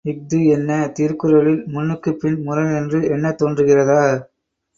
இஃது என்ன, திருக்குறளில் முன்னுக்குப்பின் முரண் என்று எண்ணத் தோன்றுகிறதா?